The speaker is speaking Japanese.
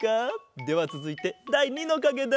ではつづいてだい２のかげだ！